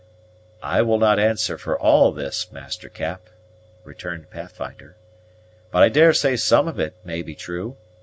"I will not answer for all this, Master Cap," returned Pathfinder; "but I daresay some of it may be true.